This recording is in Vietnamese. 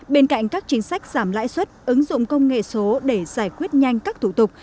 bên cạnh các chính sách giảm lãi suất ứng dụng công nghệ số để giải quyết nhanh các thủ tục